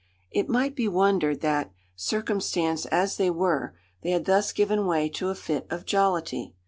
It might be wondered that, circumstanced as they were, they had thus given way to a fit of jollity.